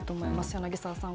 柳澤さん